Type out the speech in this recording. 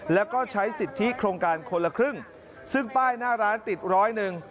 แล้วก็ใช้สิทธิโครงการคนละครึ่งซึ่งป้ายหน้าร้านติดร้อยหนึ่ง